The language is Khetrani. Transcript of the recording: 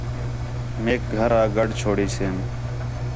میک گھر آ گڈھ چھوڑیسیں